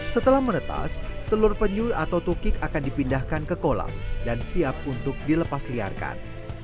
setelah menetas telur penyuh atau tukik akan dipindahkan ke kolam dan siap untuk dilepasliarkan